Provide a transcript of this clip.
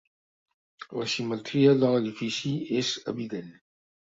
La simetria de l'edifici és evident.